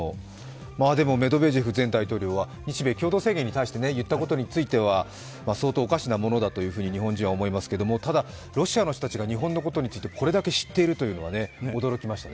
でも、メドベージェフ前大統領は日米共同宣言について言ったことについては相当おかしなものだというふうに日本人は思いますけれどもただロシアの人たちが、日本のことについてこれだけ知っているとは驚きましたね。